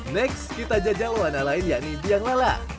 next kita jajal warna lain yakni biang lala